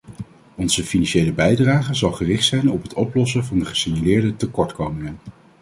Onze financiële bijdrage zal gericht zijn op het oplossen van de gesignaleerde tekortkomingen.